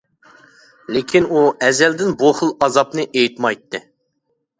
لېكىن ئۇ ئەزەلدىن بۇ خىل ئازابىنى ئېيتمايتتى.